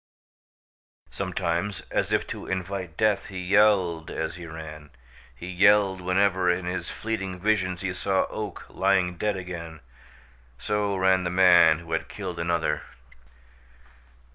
Sometimes, as if to invite death, he yelled as he ran. He yelled whenever in his fleeting visions he saw Oak lying dead again. So ran the man who had killed another.